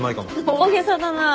大げさだなぁ。